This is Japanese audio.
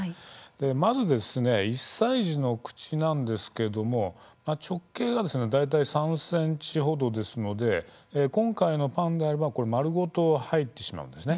まず１歳児の口なんですけれども直径が大体３ｃｍほどですので今回のパンであれば丸ごと入ってしまうんですね。